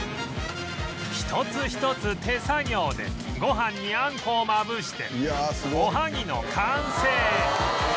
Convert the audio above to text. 一つ一つ手作業でご飯にあんこをまぶしておはぎの完成